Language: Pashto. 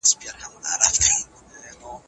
ایا مغولو د روحانیونو درناوی کاوه؟